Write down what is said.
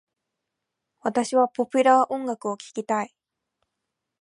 私はポピュラー音楽を聞きたい。